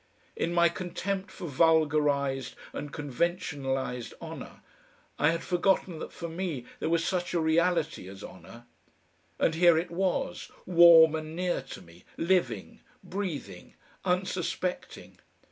In my contempt for vulgarised and conventionalised honour I had forgotten that for me there was such a reality as honour. And here it was, warm and near to me, living, breathing, unsuspecting.